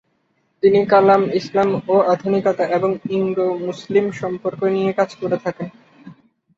তিনি কালাম, ইসলাম ও আধুনিকতা এবং ইঙ্গ-মুসলিম সম্পর্ক নিয়ে কাজ করে থাকেন।